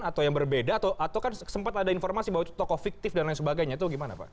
atau yang berbeda atau kan sempat ada informasi bahwa itu tokoh fiktif dan lain sebagainya itu gimana pak